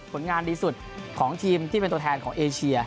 ผลงานดีสุดของทีมที่เป็นตัวแทนของเอเชีย